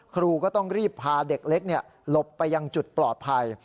ครูก็ต้องรีบพาเด็กเล็กหลบไปยังจุดปลอดภัย